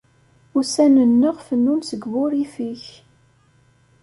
Ussan-nneɣ fennun seg wurrif-ik.